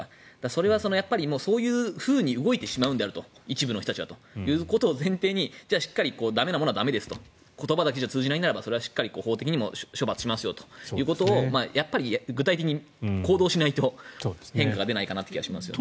それはそういうふうに動いてしまうのだと一部の人たちはということを前提にしっかり駄目なものは駄目です言葉だけで通じないなら法的にも処罰することを具体的に行動しないと変化が出ないかなという気がしますね。